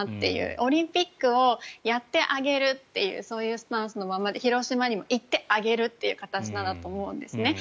オリンピックをやってあげるというそういうスタンスのままで広島にも行ってあげるという形なんだなと思うんですね。